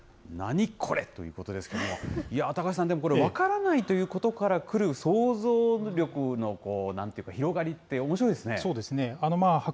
何これということですけれども、いや、高橋さん、でもこれ分からないということからくる想像力のなんていうか、広がりっておもしろいですね。